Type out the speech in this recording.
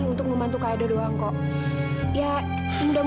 duduk aja dulu ya